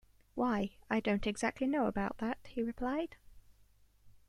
‘Why, I don’t exactly know about that,’ he replied.